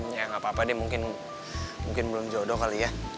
ya gapapa deh mungkin belum jodoh kali ya